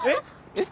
えっ？